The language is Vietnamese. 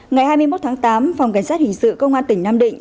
ngày hai mươi một tháng tám phòng cảnh sát hình sự công an tỉnh nam định